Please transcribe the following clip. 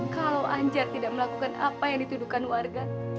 kalau anjar tidak melakukan apa yang dituduhkan warga